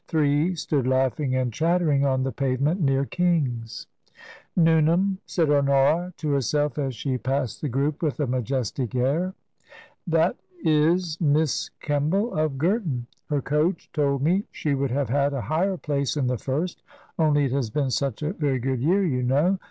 Three stood laughing and chattering on the pave ment near King's. " Newnham /" said Honora to herself, as she passed the group with a majestic air. I* 5 6 TRANSITION, " That is Miss Kemball, of Girton. Her coach told me she would have had a higher place in the First, only it has been such a very good year, you know.